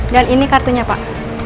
dan ini kartunya pak